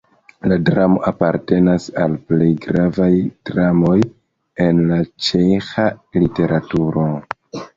La dramo apartenas al plej gravaj dramoj en la ĉeĥa literaturo.